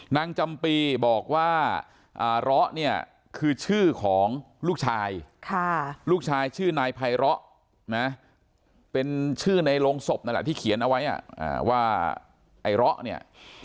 จำปีบอกว่าเลาะเนี่ยคือชื่อของลูกชายลูกชายชื่อนายไพร้อนะเป็นชื่อในโรงศพนั่นแหละที่เขียนเอาไว้ว่าไอ้เลาะเนี่ย